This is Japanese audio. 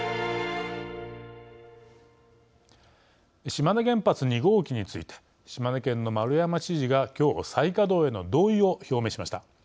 島根原発２号機について島根県の丸山知事が、きょう再稼働への同意を表明しました。